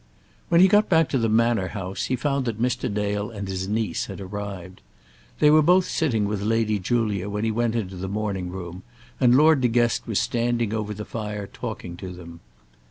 When he got back to the Manor House he found that Mr. Dale and his niece had arrived. They were both sitting with Lady Julia when he went into the morning room, and Lord De Guest was standing over the fire talking to them.